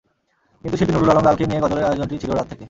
কিন্তু শিল্পী নুরুল আলম লালকে নিয়ে গজলের আয়োজনটি ছিল রাত থেকে।